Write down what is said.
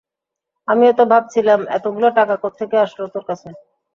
আমিও তো ভাবছিলাম, এতগুলো টাকা কোত্থেকে আসলো তোর কাছে?